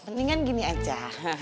mendingan gini aja